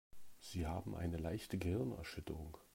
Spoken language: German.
Sie haben eine leichte Gehirnerschütterung.